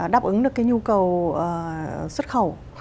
đáp ứng được nhu cầu xuất khẩu